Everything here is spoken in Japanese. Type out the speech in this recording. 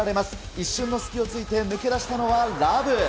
一瞬の隙をついて抜け出したのはラヴ。